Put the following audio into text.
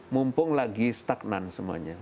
mumpung lagi stagnan semuanya